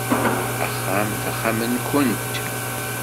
Axxam d axxam-nwent.